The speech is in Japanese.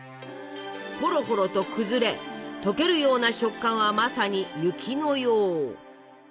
ほろほろと崩れ溶けるような食感はまさに雪のよう。